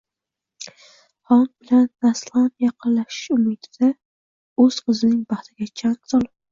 xon bilan naslan yaqinlashish umidida o’z qizining baxtiga chang solib.